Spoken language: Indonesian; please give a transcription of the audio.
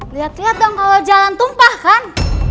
lihat lihat dong kalau jalan tumpah kan